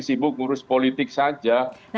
sibuk ngurus politik saja